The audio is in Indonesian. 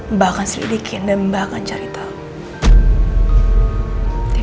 mbak akan selidikin dan mbak akan cari tahu